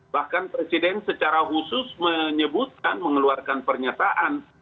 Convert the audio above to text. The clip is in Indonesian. bahkan presiden secara khusus menyebutkan mengeluarkan pernyataan